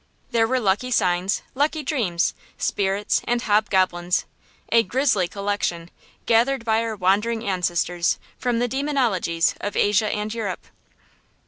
There were lucky signs, lucky dreams, spirits, and hobgoblins, a grisly collection, gathered by our wandering ancestors from the demonologies of Asia and Europe.